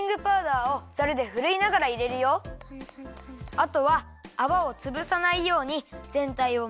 あとはあわをつぶさないようにぜんたいをまぜます。